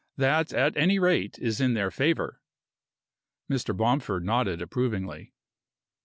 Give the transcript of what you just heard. That, at any rate, is in their favor." Mr. Bomford nodded approvingly.